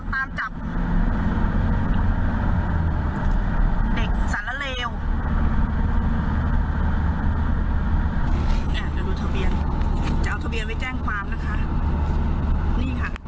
มีคนดึกฟัน